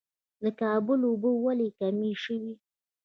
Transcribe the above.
د کابل اوبه ولې کمې شوې؟